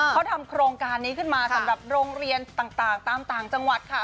เขาทำโครงการนี้ขึ้นมาสำหรับโรงเรียนต่างตามต่างจังหวัดค่ะ